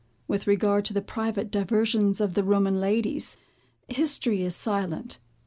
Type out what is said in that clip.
With regard to the private diversions of the Roman ladies, history is silent.